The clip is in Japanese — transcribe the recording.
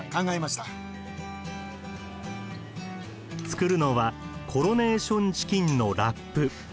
作るのはコロネーションチキンのラップ。